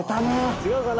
違うかな？